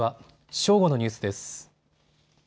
正午のニュースです。